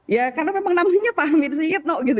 ya karena memang namanya pak amin syihitno gitu